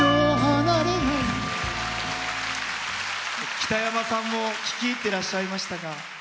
北山さんも聴き入っていらっしゃいましたが。